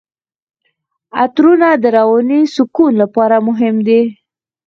عطرونه د رواني سکون لپاره مهم دي.